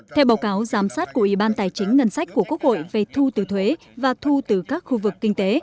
theo báo cáo giám sát của ủy ban tài chính ngân sách của quốc hội về thu từ thuế và thu từ các khu vực kinh tế